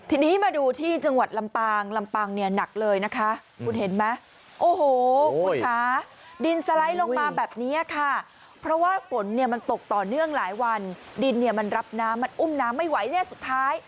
ทีนี้มาดูที่จังหวัดลำปางลำปางเนี่ยหนักเลยนะคะ